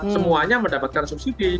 semuanya mendapatkan subsidi